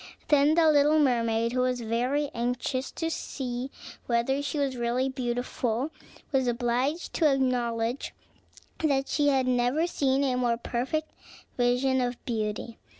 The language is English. Then the little mermaid, who was very anxious to see whether she was really beautiful, was obliged to acknowledge that she had never seen a more perfect vision of beauty.